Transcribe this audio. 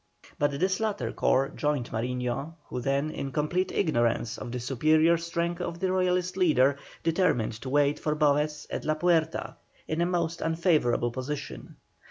But this latter corps joined Mariño, who then in complete ignorance of the superior strength of the Royalist leader, determined to wait for Boves at La Puerta, in a most unfavourable position.